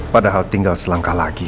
padahal tinggal selangkah lagi